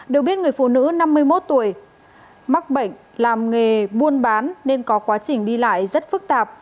được biết người phụ nữ năm mươi một tuổi mắc bệnh làm nghề buôn bán nên có quá trình đi lại rất phức tạp